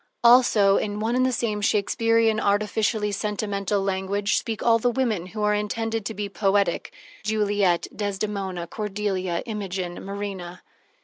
Also in one and the same Shakespearian, artificially sentimental language speak all the women who are intended to be poetic: Juliet, Desdemona, Cordelia, Imogen, Marina.